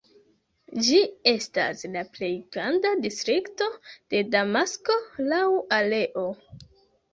Ĝi estas la plej granda distrikto de Damasko laŭ areo.